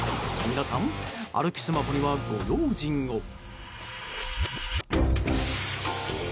皆さん、歩きスマホにはご用心を。